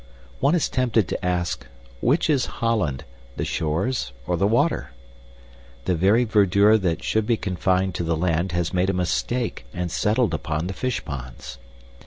One is tempted to ask, "Which is Holland the shores or the water?" The very verdure that should be confined to the land has made a mistake and settled upon the fish ponds.